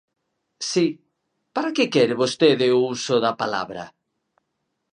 Si, ¿para que quere vostede o uso da palabra?